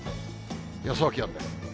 予想気温です。